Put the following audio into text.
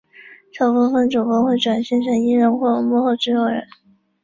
少部份主播会转型成艺人或幕后制作人。